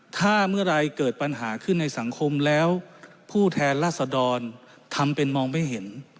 ถ้าเมื่อไหร่เกิดปัญหาขึ้นในสังคมแล้วผู้แทนราษดรทำเป็นมองไม่เห็น